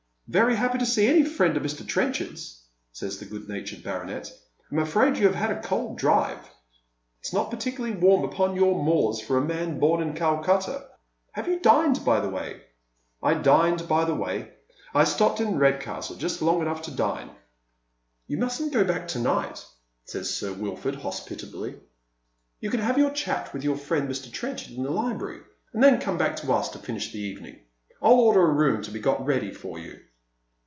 " Very happy to see any friend of Mr. Trenchard's," says the good natured baronet. " I'm afraid you have had a cold drive." " It is not particularly warm upon your moors for a man bom in Calcutta." " Have you dined, by the way ?"" I dined by the way. I stopped in Eedcastle just long enough to dine." " You mustn't go oack to night," says Sir Wilford, hospitably. " You can have your chat with your friend Mr. Trenchard in the library, and then come back to us to finish the evening. I'll order a room to be got ready for you."